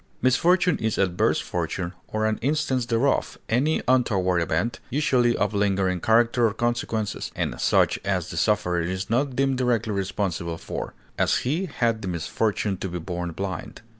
Misfortune is adverse fortune or any instance thereof, any untoward event, usually of lingering character or consequences, and such as the sufferer is not deemed directly responsible for; as, he had the misfortune to be born blind.